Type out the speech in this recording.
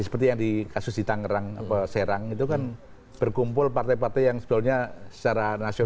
seperti yang di kasus di tangerang serang itu kan berkumpul partai partai yang sebetulnya secara nasional